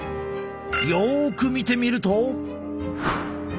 よく見てみると。